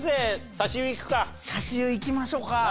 差し湯いきましょうか。